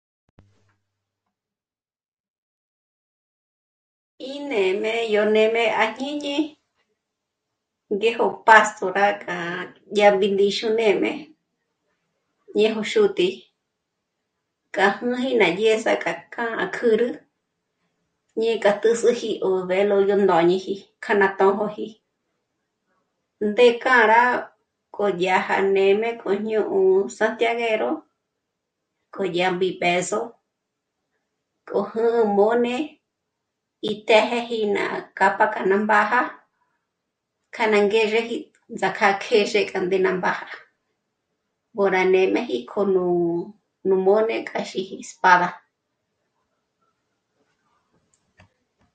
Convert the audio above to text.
"Í n'ém'e yó n'ém'e àjñíni ngéjo pástora k'a yà'b'í ndíxu né'm'e ñéjo xút'ǐ'i k'ájnaji ná dyë̌za k'a k'â'a k'ürü ñë'ë k'a tǜs'üji nú velo nú ndôñiji kjá ná töjoji. Ndé k'âra koyája né'me k'o jñó'o santiaguero k'odyámbi b'ë̌zo kǜjü'ü mbóne y të́jëji ná capa k'a nà mbája k'a ná ngézheji ts'ak'a kjézhe k'a ndéná mbája, mbôra né'm'eji k'o nú mbóne k'aja xíji ""espada"""